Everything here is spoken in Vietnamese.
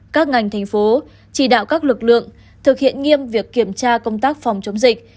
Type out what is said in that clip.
các ngành thành phố chỉ đạo các lực lượng thực hiện nghiêm việc kiểm tra công tác phòng chống dịch